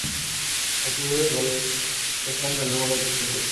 এরপূর্বে বলে পেস কম থাকলেও পর্যাপ্ত সুইং করতে পারতেন।